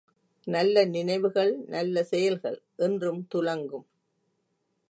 நல்ல நினைவுகள், நல்ல செயல்கள் என்றும் துலங்கும்.